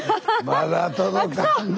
まだ届かんで。